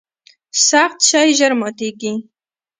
سخت شی ژر ماتیږي.